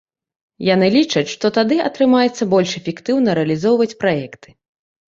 Яны лічаць, што тады атрымаецца больш эфектыўна рэалізоўваць праекты.